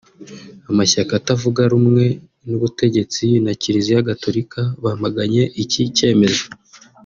Amashyaka atavuga rumwe n’ubutegetsi na Kiliziya Gatolika bamaganye iki cyemezo